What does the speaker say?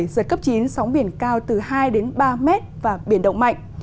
giật cấp chín sóng biển cao từ hai đến ba mét và biển động mạnh